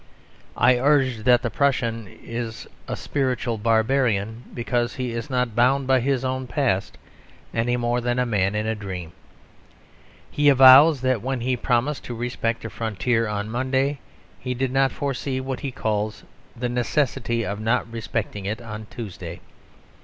I urged that the Prussian is a spiritual Barbarian, because he is not bound by his own past, any more than a man in a dream. He avows that when he promised to respect a frontier on Monday, he did not foresee what he calls "the necessity" of not respecting it on Tuesday.